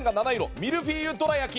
ミルフィーユどら焼き。